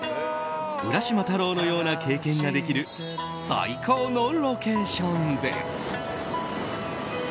浦島太郎のような経験ができる最高のロケーションです。